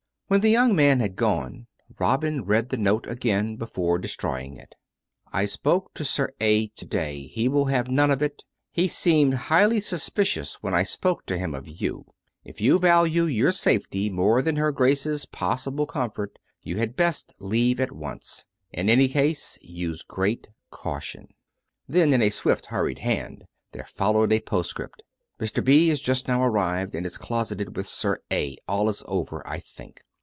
When the young man had gone Robin read the note again before destroying it. " I spoke to Sir A. to day. He will have none of it. He seemed liighly suspicious when I spoke to him of you. If you value your safety more than her Grace's possible com 350 COME RACK! COME ROPE! fort, you had best leave at once. In any case, use great caution." Then, in a swift, hurried hand there followed a post script: " Mr. B. is just now arrived, and is closeted with Sir A. All is over, I think."